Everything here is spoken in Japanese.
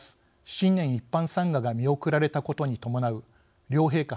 新年一般参賀が見送られたことに伴う両陛下